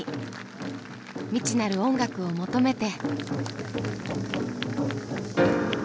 未知なる音楽を求めて。